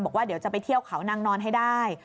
บอกว่าเดี๋ยวจะไปเที่ยวเขานางนอนให้ได้